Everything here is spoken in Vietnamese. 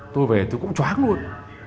tôi về tôi cũng chóng luôn